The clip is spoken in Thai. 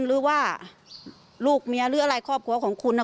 หรือว่าลูกเมียหรืออะไรครอบครัวของคุณ